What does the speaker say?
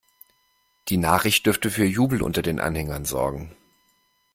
Die Nachricht dürfte für Jubel unter den Anhängern sorgen.